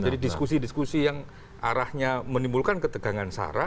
jadi diskusi diskusi yang arahnya menimbulkan ketegangan